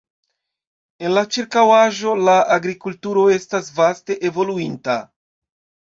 En la ĉirkaŭaĵo la agrikulturo estas vaste evoluinta.